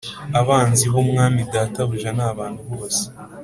Abanzi b umwami databuja n abantu bose